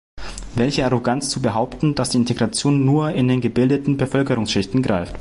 Welche Arroganz zu behaupten, dass die Integration nur in den gebildeten Bevölkerungsschichten greift.